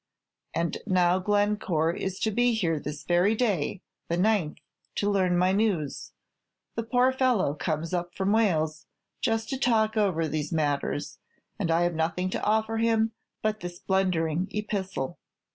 And now Glencore is to be here this very day the ninth to learn my news. The poor fellow comes up from Wales, just to talk over these matters, and I have nothing to offer him but this blundering epistle.